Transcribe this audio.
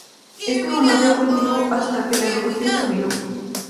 Este bombardeo continuó hasta que la evacuación terminó.